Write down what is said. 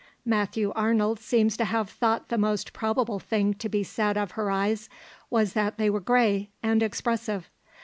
Matthew Arnold seems to have thought the most probable thing to be said of her eyes was that they were grey and expressive.